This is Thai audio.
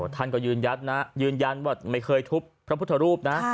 ท่านก็ยืนยันนะยืนยันว่าไม่เคยทุบพระพุทธรูปนะ